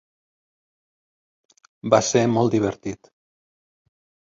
Va ser molt divertit.